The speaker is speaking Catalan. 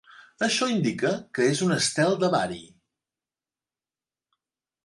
Això indica que és un estel de bari.